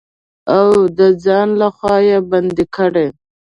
او د ځان لخوا يې بندې کړي.